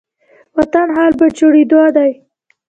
وطن حال په جوړيدو دي